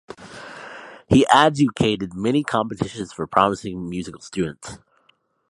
He adjudicated many competitions for promising musical students.